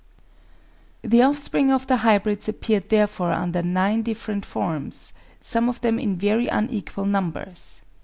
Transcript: The offspring of the hybrids appeared therefore under nine different forms, some of them in very unequal numbers.